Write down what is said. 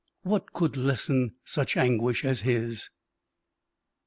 What could lessen such anguish as his?